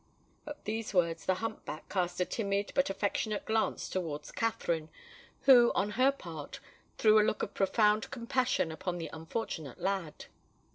At these words the hump back cast a timid but affectionate glance towards Katherine, who, on her part, threw a look of profound compassion upon the unfortunate lad.